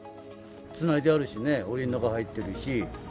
つないであるしね、おりの中入ってるし。